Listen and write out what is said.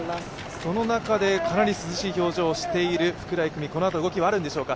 その中で涼しい表情をしている福良郁美、このあと動きはあるんでしょうか。